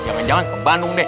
jangan jangan ke bandung deh